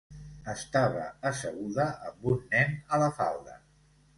Estava asseguda amb un nen a la falda.